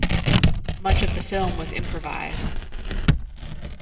Much of the film was improvised.